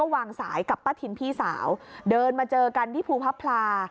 วางสายกับป้าทินพี่สาวเดินมาเจอกันที่ภูพลา